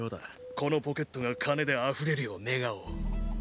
このポケットが金であふれるよう願おう。